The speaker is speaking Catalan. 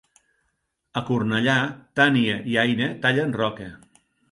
A Cornellà, Tània i Aina tallen roca.